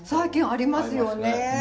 ありますね。